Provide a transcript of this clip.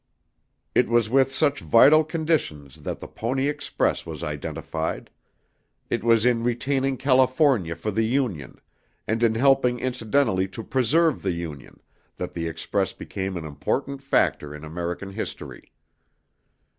It was with such vital conditions that the Pony Express was identified; it was in retaining California for the Union, and in helping incidentally to preserve the Union, that the Express became an important factor in American history.